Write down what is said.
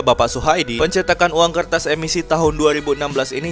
bapak suhaidi pencetakan uang kertas emisi tahun dua ribu enam belas ini